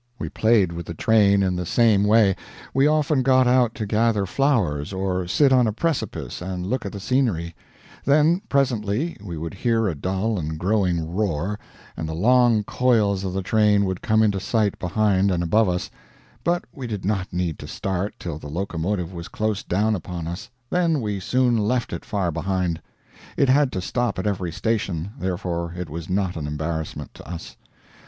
We played with the train in the same way. We often got out to gather flowers or sit on a precipice and look at the scenery, then presently we would hear a dull and growing roar, and the long coils of the train would come into sight behind and above us; but we did not need to start till the locomotive was close down upon us then we soon left it far behind. It had to stop at every station, therefore it was not an embarrassment to us.